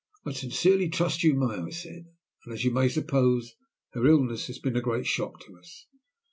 "I sincerely trust you may," I said. "As you may suppose, her illness has been a great shock to us."